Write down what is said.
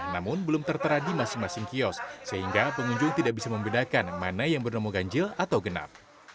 namun belum tertera di masing masing kios sehingga pengunjung tidak bisa membedakan mana yang bernama ganjil atau genap